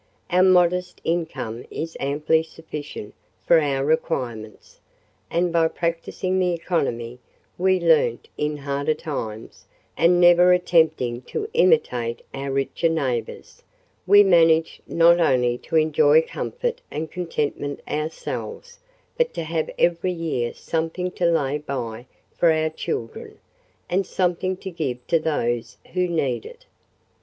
Our modest income is amply sufficient for our requirements: and by practising the economy we learnt in harder times, and never attempting to imitate our richer neighbours, we manage not only to enjoy comfort and contentment ourselves, but to have every year something to lay by for our children, and something to give to those who need it.